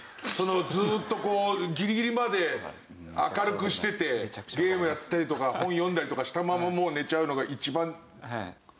ずーっとこうギリギリまで明るくしててゲームやったりとか本読んだりとかしたまま寝ちゃうのが一番。